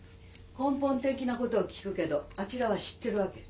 根本的なことを聞くけどあちらは知ってるわけ？